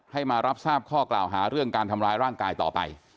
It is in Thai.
มารับทราบข้อกล่าวหาเรื่องการทำร้ายร่างกายต่อไป